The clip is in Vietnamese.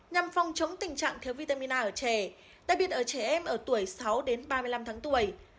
nhằm phòng chống tình trạng thiếu vitamin a ở trẻ đặc biệt ở trẻ em ở tuổi sáu đến ba mươi năm tháng tuổi